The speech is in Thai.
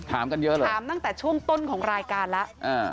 ถามกันเยอะเลยถามตั้งแต่ช่วงต้นของรายการแล้ว